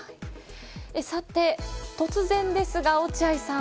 突然ですが、落合さん。